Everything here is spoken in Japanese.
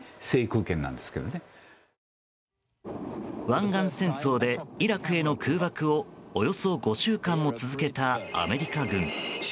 湾岸戦争でイラクへの空爆をおよそ５週間も続けたアメリカ軍。